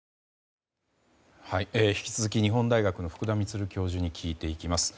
引き続き日本大学の福田充教授に聞いていきます。